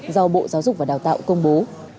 do bộ giáo dục và đào tạo công bố